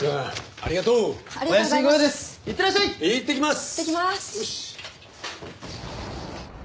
いってきます！